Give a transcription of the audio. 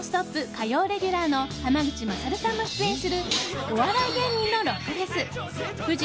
火曜レギュラーの濱口優さんも出演するお笑い芸人のロックフェスフジ